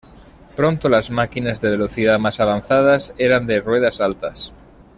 Pronto las máquinas de velocidad más avanzadas eran de ruedas altas.